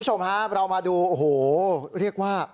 คุณผู้ชมครับเรามาดูโอ้โหเรียกว่า